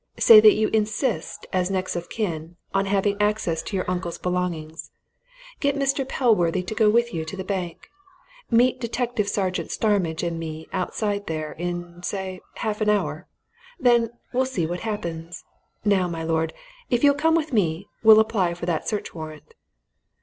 Say that you insist, as next of kin, on having access to your uncle's belongings. Get Mr. Pellworthy to go with you to the bank. Meet Detective Sergeant Starmidge and me outside there, in, say, half an hour. Then we'll see what happens. Now, my lord, if you'll come with me, we'll apply for that search warrant."